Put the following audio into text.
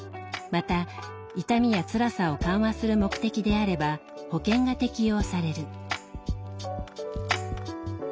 また痛みやつらさを緩和する目的であれば保険が適用される。